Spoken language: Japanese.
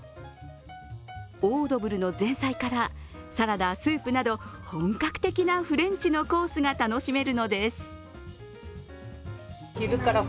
オードブルの前菜からサラダ、スープなど本格的なフレンチのコースが楽しめるのです。